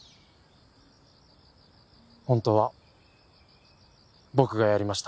本当は僕がやりました。